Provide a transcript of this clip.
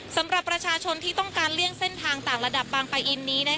สำหรับประชาชนที่ต้องการเลี่ยงเส้นทางต่างระดับบางปะอินนี้